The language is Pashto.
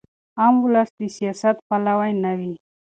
عام ولس د سیاست پلوی نه وي.